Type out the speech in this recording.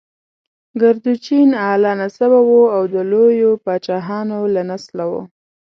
کردوچین اعلی نسبه وه او د لویو پاچاهانو له نسله وه.